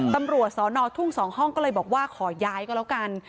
ตำรวจสอนอทุ่ง๒ห้องก็เลยบอกว่าขอย้ายก็แล้วกัน